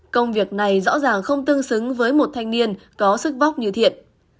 công việc này rõ ràng không tương xứng với một thanh niên có sức vóc như thiện